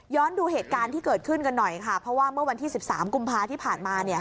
ดูเหตุการณ์ที่เกิดขึ้นกันหน่อยค่ะเพราะว่าเมื่อวันที่๑๓กุมภาที่ผ่านมา